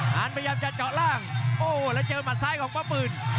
งานพยายามจะเจาะล่างโอ้แล้วเจอหมัดซ้ายของป้าหมื่น